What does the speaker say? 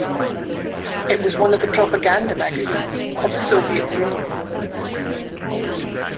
It was one of the propaganda magazines of the Soviet Union.